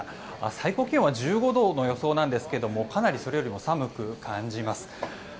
最高気温は１５度の予想なんですがかなりそれよりも寒く感じます。